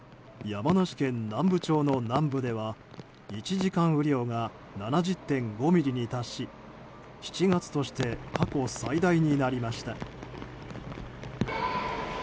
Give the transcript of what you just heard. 山梨県南部町の南部では１時間雨量が７０．５ミリに達し７月として過去最大になりました。